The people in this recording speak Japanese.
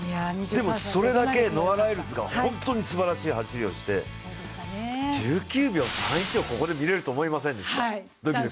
でもそれだけノア・ライルズが本当にすばらしい走りをして１９秒３１をここで見られるとは思いませんでした。